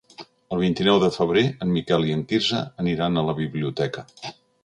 El vint-i-nou de febrer en Miquel i en Quirze aniran a la biblioteca.